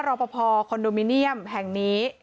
รอปภคอนโดมิเนียมแห่งนี้